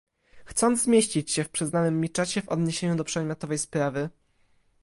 Chcąc zmieścić się w przyznanym mi czasie w odniesieniu do przedmiotowej sprawy